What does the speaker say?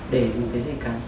để một cái gì cả